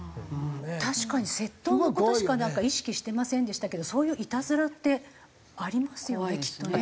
確かに窃盗の事しかなんか意識してませんでしたけどそういういたずらってありますよねきっとね。